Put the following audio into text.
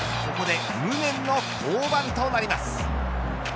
ここで無念の降板となります。